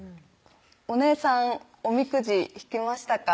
「お姉さんおみくじ引きましたか？」